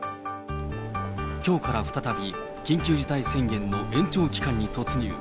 きょうから再び、緊急事態宣言の延長期間に突入。